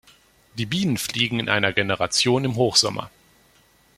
Die Bienen fliegen in einer Generation im Hochsommer.